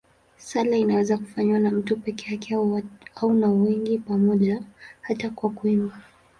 Sala inaweza kufanywa na mtu peke yake au na wengi pamoja, hata kwa kuimba.